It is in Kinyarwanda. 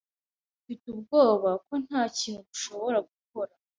Mfite ubwoba ko ntakintu dushobora gukora.